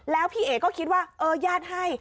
แล้วพี่เอ๋ก็คิดว่าเออญาติให้